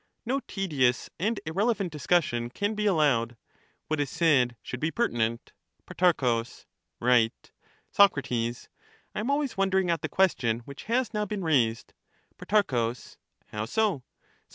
No tedious and irrelevant discussion can be allowed ; what is said should be pertinent. Pro. Right. Soc. I am always wondering at the question which has now been raised. Pro, How so?